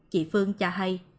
chị phương cho hay